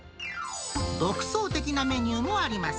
独創的なメニューもあります。